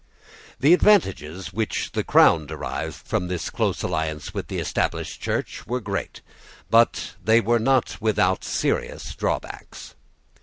The advantages which the crown derived from this close alliance with the Established Church were great; but they were not without serious drawbacks.